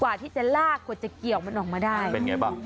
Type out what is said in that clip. กว่าที่จะลากกว่าจะเกี่ยวมันออกมาได้เป็นไงบ้าง